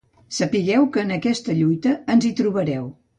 Sapigueu que en aquesta lluita ens hi trobareu.